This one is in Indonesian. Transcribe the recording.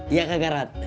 iya kak garat